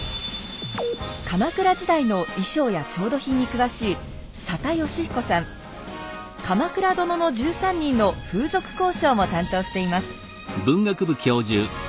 鎌倉時代の衣装や調度品に詳しい「鎌倉殿の１３人」の風俗考証も担当しています。